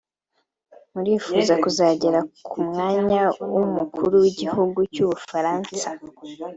Murifuza kuzagera ku mwanya w’umukuru w’igihugu cy’Ubufaransa